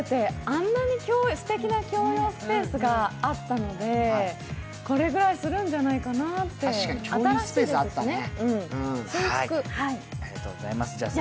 あんなにすてきな共用スペースがあったのでこれぐらいするんじゃないかなって、新しいですしね。